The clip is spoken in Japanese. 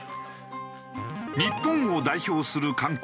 日本を代表する観光地